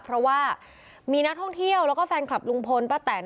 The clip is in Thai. เพราะว่ามีนักท่องเที่ยวแล้วก็แฟนคลับลุงพลป้าแตน